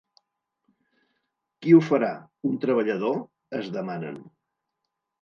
Qui ho farà, un treballador?, es demanen.